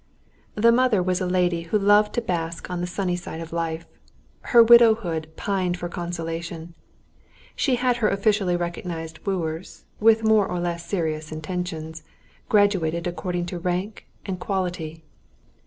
The mother was a lady who loved to bask on the sunny side of life; her widowhood pined for consolation. She had her officially recognised wooers, with more or less serious intentions, graduated according to rank and quality.